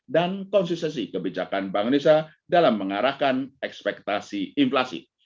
dan konsistensi kebijakan bangunan indonesia dalam mengarahkan ekspektasi inflasi